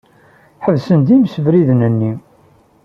Ḥebsen-d imsebriden-nni.